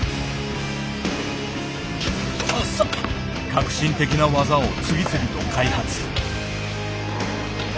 革新的な技を次々と開発。